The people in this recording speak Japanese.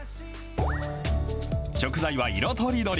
食材は色とりどり。